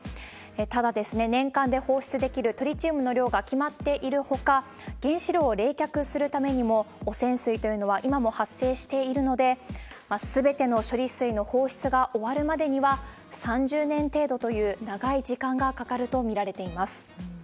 ただ、年間で放出できるトリチウムの量が決まっているほか、原子炉を冷却するためにも、汚染水というのは今も発生しているので、すべての処理水の放出が終わるまでには、３０年程度という長い時間がかかると見られています。